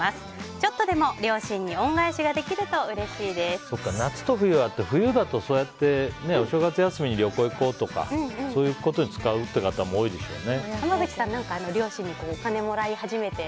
ちょっとでも両親に恩返しができるとそっか夏と冬あって冬だと、そうやってお正月休みに旅行行こうとかそういうことに使うという方も多いでしょうね。